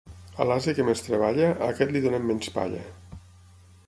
A l'ase que més treballa, a aquest li donen menys palla.